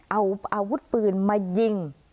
เอาอาวุธปืนมายิง